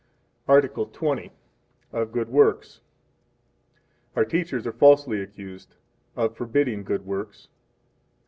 Article XX. Of Good Works. 1 Our teachers are falsely accused of forbidding Good Works.